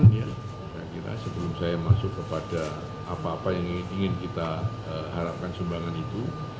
saya kira sebelum saya masuk kepada apa apa yang ingin kita harapkan sumbangan itu